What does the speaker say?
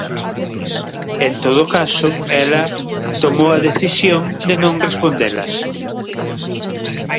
En todo caso, ela tomou a decisión de non respondelas.